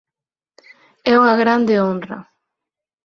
É unha grande honra.